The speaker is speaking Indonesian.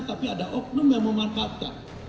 tapi ada oknum yang memanfaatkan